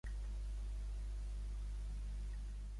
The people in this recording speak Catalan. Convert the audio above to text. Crit de gripau que agita la cua perquè la veu més aviat crua.